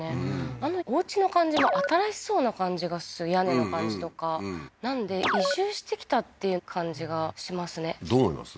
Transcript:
あのおうちの感じも新しそうな感じが屋根の感じとかなんで移住してきたっていう感じがしますねどう思います？